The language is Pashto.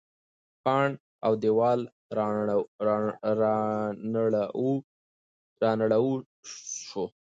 پاڼ او دیوال رانړاوه سو.